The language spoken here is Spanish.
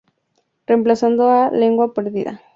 Reemplazando a Laguna Perdida.